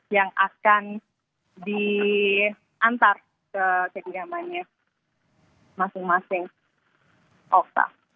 yang akan diantar ke kediamannya masing masing okta